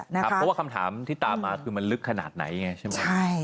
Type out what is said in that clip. เพราะว่าคำถามที่ตามมาคือมันลึกขนาดไหนไงใช่ไหม